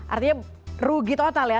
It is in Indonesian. artinya rugi total ya